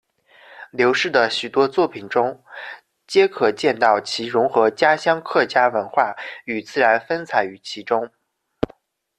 刘氏的许多作品之中皆可见到其融合家乡客家文化与自然风采于其中。